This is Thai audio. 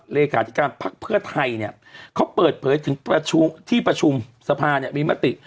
เลขาธิการภักดิ์เพื่อไทยเนี่ยเขาเปิดเผยถึงที่ประชุมสภาเนี่ยมีมติ